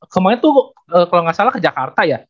kemarin tuh kalau nggak salah ke jakarta ya